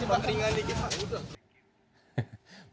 tinggal sedikit pak